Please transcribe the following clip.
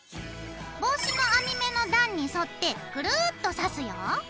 帽子の編み目の段に沿ってぐるっと刺すよ。